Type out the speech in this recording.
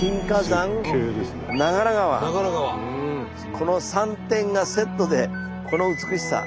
この３点がセットでこの美しさ。